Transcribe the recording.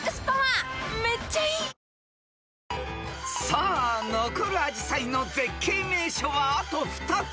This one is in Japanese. ［さあ残るアジサイの絶景名所はあと２つ］